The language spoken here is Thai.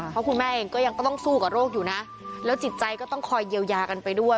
เพราะคุณแม่เองก็ยังก็ต้องสู้กับโรคอยู่นะแล้วจิตใจก็ต้องคอยเยียวยากันไปด้วย